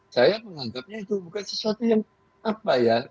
saya menganggapnya itu bukan sesuatu yang apa ya